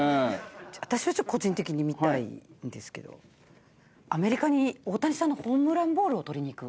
私は個人的に見たいんですけどアメリカに大谷さんのホームランボールを取りにいく。